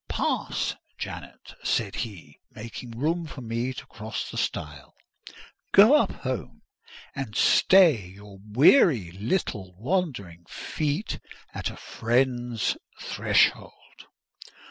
"Pass, Janet," said he, making room for me to cross the stile: "go up home, and stay your weary little wandering feet at a friend's threshold."